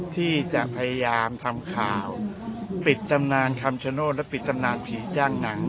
ที่จะพยายามทำข่าวปิดตำนานคำชโนธและปิดตำนานผีจ้างหนัง